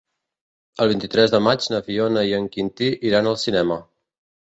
El vint-i-tres de maig na Fiona i en Quintí iran al cinema.